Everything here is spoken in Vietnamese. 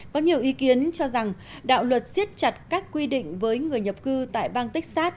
có nhiều ý kiến cho rằng đạo luật siết chặt các quy định với người nhập cư tại bang texas